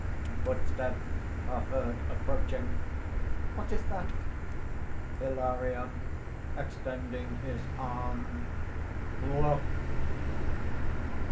(Footsteps are heard approaching.) "What is that?" HILARION (extending his arm): "Look!"